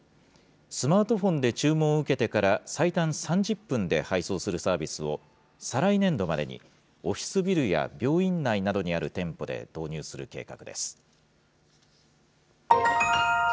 スマートフォンで注文を受けてから、最短３０分で配送するサービスを、再来年度までにオフィスビルや病院内などにある店舗で導入する計画です。